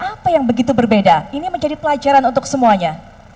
apa yang begitu berbeda ini menjadi pelajaran untuk semuanya